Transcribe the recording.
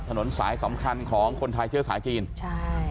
ถนนสายสำคัญของคนไทยเชื้อสายจีนใช่